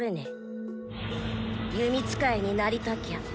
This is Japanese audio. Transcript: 弓使いになりたきゃ